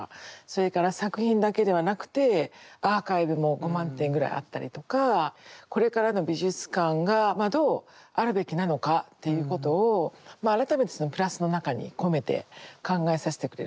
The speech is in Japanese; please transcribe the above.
それから作品だけではなくてアーカイブも５万点ぐらいあったりとかこれからの美術館がどうあるべきなのかっていうことをまあ改めてその「プラス」の中に込めて考えさせてくれるなと思いました。